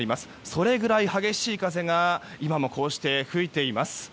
それぐらい激しい風が今も吹いています。